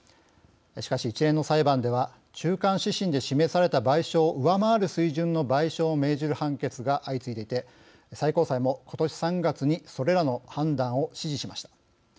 しかし、一連の裁判では中間指針で示された賠償を上回る水準の賠償を命じる判決が相次いでいて最高裁も、ことし３月にそれらの判断を支持しました。